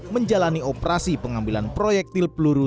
menjalani operasi pengambilan proyektil peluru